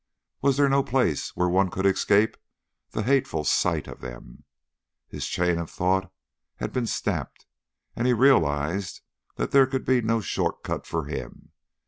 Was there no place where one could escape the hateful sight of them? His chain of thought had been snapped, and he realized that there could be no short cut for him.